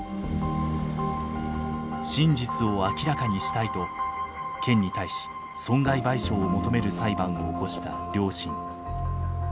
真実を明らかにしたいと県に対し損害賠償を求める裁判を起こした両親。